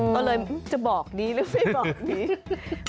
ก็เลยจะบอกดีหรือไม่บอกดี